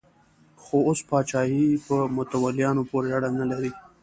خو اوس پاچاهي په متولیانو پورې اړه نه لري.